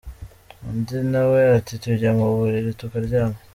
Undi nawe ati “Tujya mu buriri tukaryama.